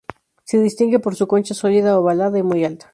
Se distingue por su concha sólida ovalada y muy alta.